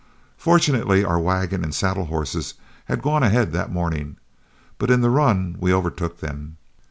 Fortunately our wagon and saddle horses had gone ahead that morning, but in the run we overtook them.